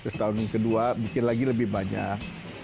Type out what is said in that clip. setahun kedua bikin lagi lebih banyak